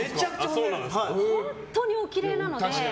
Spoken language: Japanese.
本当におきれいなので。